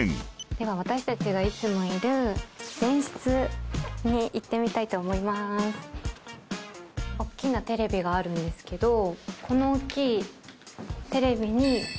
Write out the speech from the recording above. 「では私たちがいつもいる前室に行ってみたいと思いまーす」「おっきなテレビがあるんですけどこのおっきいテレビにこう」